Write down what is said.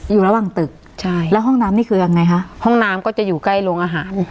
อยู่ระหว่างตึกใช่แล้วห้องน้ำนี่คือยังไงคะห้องน้ำก็จะอยู่ใกล้โรงอาหาร